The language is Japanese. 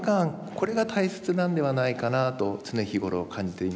これが大切なんではないかなと常日頃感じています。